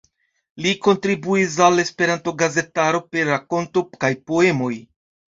Li kontribuis al Esperanto-gazetaro per rakontoj kaj poemoj.